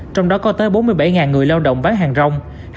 trong đó có tới bốn mươi bảy người lao động bán hàng rong